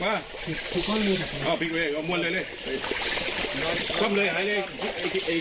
พิกพิกเวย์ก็มวนเลยเลยคร่ำเลยหายเลยเอ็ดพิกเอ็ด